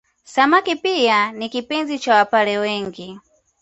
Samaki pia ni kipenzi cha Wapare wengi